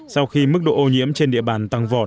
sau khi mức độ ô nhiễm trên địa bàn tăng vọt